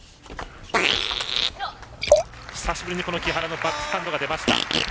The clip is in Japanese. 久しぶりに木原のバックハンドが出ました。